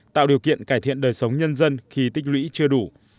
tạo điều kiện cải thiện đời sống nhân dân khi tích lũy chưa đủ